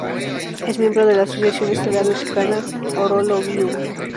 Es miembro de la Asociación estelar de Tucana-Horologium.